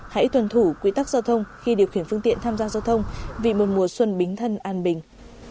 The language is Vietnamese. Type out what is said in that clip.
hãy tuần thủ quy tắc giao thông khi điều khiển phương tiện tham gia giao thông vì một mùa xuân bính thân an bình